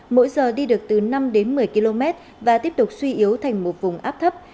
mỗi giờ đi được từ năm đến một mươi km và tiếp tục suy yếu thành một vùng áp thấp